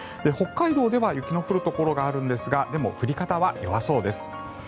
北海道では雪の降るところがあるんですがでも、降り方は弱そうです。